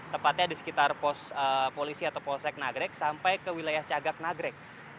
tepatnya di sekitar pos polisi atau polsek nagrek sampai ke wilayah cagak nagrek